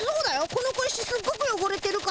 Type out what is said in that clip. この小石すっごくよごれてるからね。